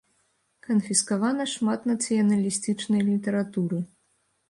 Канфіскавана шмат нацыяналістычнай літаратуры.